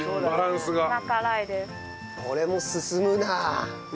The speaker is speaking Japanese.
これもすすむな。